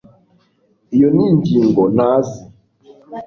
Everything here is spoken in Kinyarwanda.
Iyo ni ingingo ntazi